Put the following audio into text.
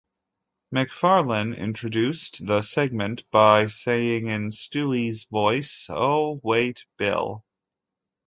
MacFarlane introduced the segment by saying in Stewie's voice Oh, wait Bill.